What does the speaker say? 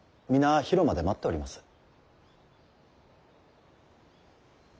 皆広間で待っております。